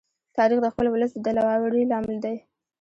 تاریخ د خپل ولس د دلاوري لامل دی.